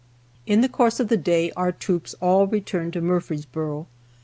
] In the course of the day our troops all returned to Murfreesboro.